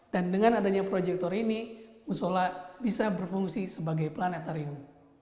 dan dengan adanya proyektor ini musola bisa berfungsi sebagai planetarium